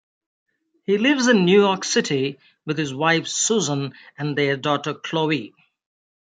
He lives in New York City with his wife Susan and their daughter Chloe.